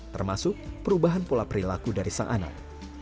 termasuk perubahan pola perilaku dari sang anak